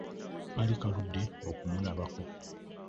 Kaali kaludde okumulabako!